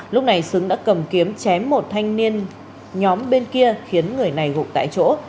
lúc này xứng đã cầm kiếm chém một thanh niên nhóm bên kia khiến người này gục tại chỗ